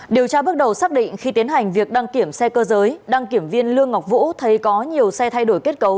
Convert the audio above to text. điều tra bước đầu xác định khi tiến hành việc đăng kiểm xe cơ giới đăng kiểm viên lương ngọc vũ thấy có nhiều xe thay đổi kết cấu